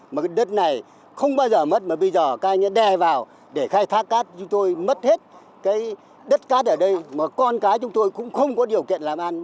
mà cái đất này không bao giờ mất mà bây giờ các anh ấy đe vào để khai thác cát chúng tôi mất hết cái đất cát ở đây mà con cái chúng tôi cũng không có điều kiện làm ăn